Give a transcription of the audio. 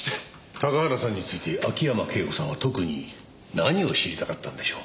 高原さんについて秋山圭子さんは特に何を知りたかったんでしょう？